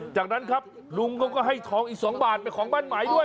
จากนั้นครับลุงเขาก็ให้ทองอีก๒บาทเป็นของมั่นหมายด้วย